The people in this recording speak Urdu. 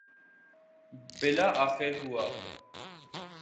بالآخر ہوا۔